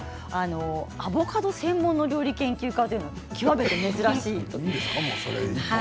アボカド専門の料理研究家は極めて珍しいんです。